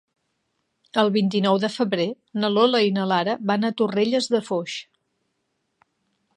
El vint-i-nou de febrer na Lola i na Lara van a Torrelles de Foix.